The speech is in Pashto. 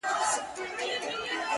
o هغه نجلۍ مي اوس پوښتنه هر ساعت کوي،